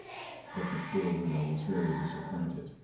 But the poor widow was very disappointed.